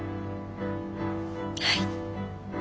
はい。